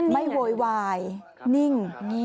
ไม่โหยวายนิ่ง